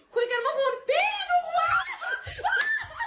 คุยกันเมื่อคืนพี่ยูถูกว่า